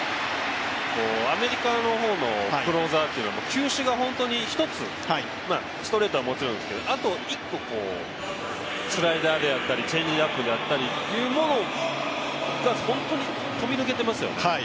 アメリカの方のクローザーは球種が一つ、ストレートはもちろんですけど、あと１個スライダーであったり、チェンジアップであったりっていうものが、本当に飛び抜けてますね。